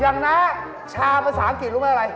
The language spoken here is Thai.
อย่างน้าชามภาษาอังกฤษรู้ไม่อะไร